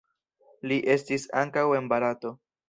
Li estis ankaŭ en Barato.